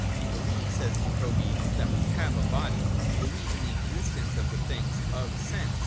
We believe, says Jacobi, that we have a body, — we believe in the existence of the things of sense.